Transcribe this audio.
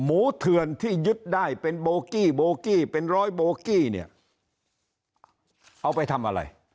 เถื่อนที่ยึดได้เป็นโบกี้โบกี้เป็นร้อยโบกี้เนี่ยเอาไปทำอะไร